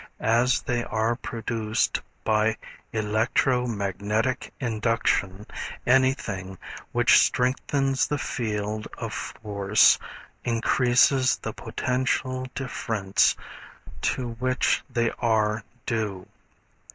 As they are produced by electro magnetic induction, anything which strengthens the field of force increases the potential difference to which they are due.